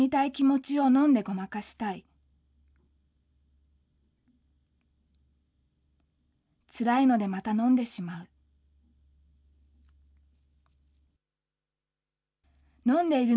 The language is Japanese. つらいのでまた飲んでしまう。